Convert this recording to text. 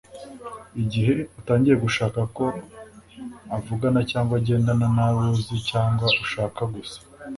Igihe utangiye gushaka ko avugana cyangwa agendana n’abo uzi cyangwa ushaka gusa